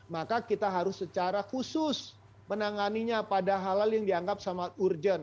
maka kita harus secara khusus menanganinya pada hal hal yang dianggap sangat urgent